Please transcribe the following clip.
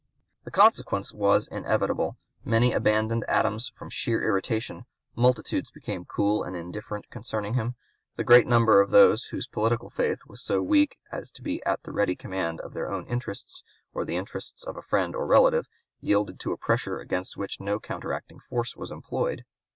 The consequence was inevitable; many abandoned Adams from sheer irritation; multitudes became cool and indifferent concerning him; the great number of those whose political faith was so weak as to be at the ready command of their own interests, or the interests of a friend or relative, yielded to a pressure against which no counteracting force was employed.